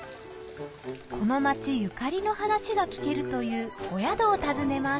この町ゆかりの話が聞けるというお宿を訪ねます